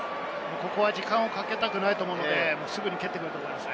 ここは時間をかけたくないと思うので、すぐに蹴ってくると思います。